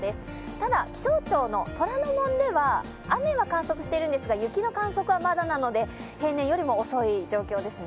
ただ、気象庁の虎ノ門では雨は観測してるんですが雪の観測はまだなので、平年よりも遅い状況ですね。